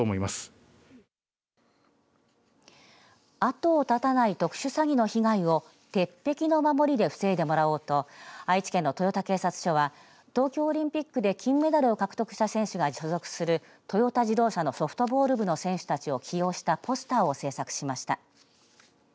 後を絶たない特殊詐欺の被害を鉄壁の守りで防いでもらおうと愛知県の豊田警察署は東京オリンピックで金メダルを獲得した選手が所属するトヨタ自動車のソフトボール部の選手たちを起用したポスターを制作しました。